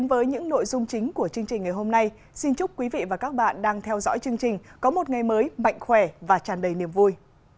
với những nội dung chính của chương trình ngày hôm nay xin chúc quý vị và các bạn đang theo dõi chương trình có một ngày mới mạnh khỏe và tràn đầy niềm vui